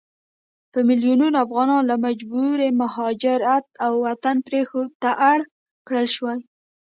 په ميلونونو افغانان له مجبوري مهاجرت او وطن پريښودو ته اړ کړل شوي